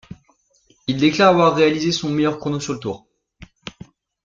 Il déclare avoir réalisé son meilleur chrono sur le tour.